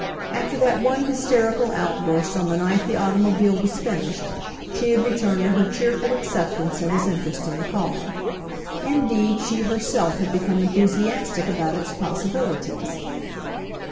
After that one hysterical out burst on the night the automobile was finished, she had returned to her cheerful acceptance of his interest in the car. Indeed, she herself had be come enthusiastic about its possibilities.